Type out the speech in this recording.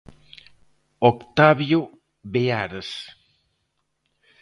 Octavio Beares.